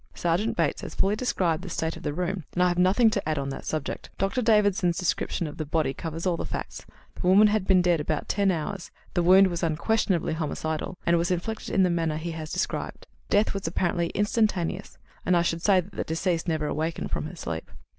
Sergeant Bates has fully described the state of the room, and I have nothing to add on that subject. Dr. Davidson's description of the body covers all the facts: the woman had been dead about ten hours, the wound was unquestionably homicidal, and was inflicted in the manner that he has described. Death was apparently instantaneous, and I should say that the deceased never awakened from her sleep."